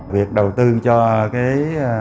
việc đầu tư cho cái